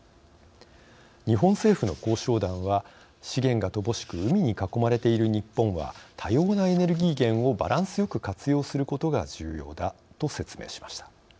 日本政府の交渉団は資源が乏しく海に囲まれている日本は、多様なエネルギー源をバランスよく活用することが重要だと説明しました。